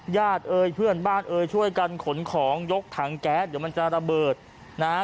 เอ่ยเพื่อนบ้านเอ่ยช่วยกันขนของยกถังแก๊สเดี๋ยวมันจะระเบิดนะฮะ